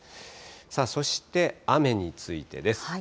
さあ、そして雨についてです。